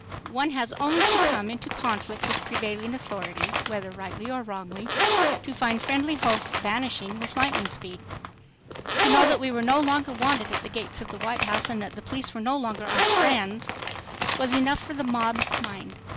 One has only to come into conflict with prevailing authority, whether rightly or wrongly, to find friendly hosts vanishing with lightning speed. To know that we were no longer wanted at the gates of the White House and that the police were no longer our "friends" was enough for the mob mind.